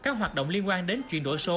các hoạt động liên quan đến chuyển đổi số